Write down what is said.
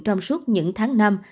trong suốt những tháng năm